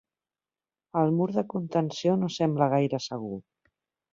El mur de contenció no sembla gaire segur